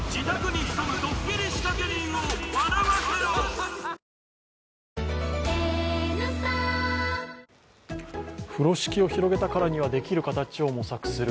ＷＩＬＫＩＮＳＯＮ風呂敷を広げたからには、できる形を模索する。